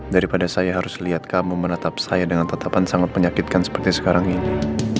daripada saya harus lihat kamu menatap saya dengan tetapan sangat menyakitkan seperti sekarang ini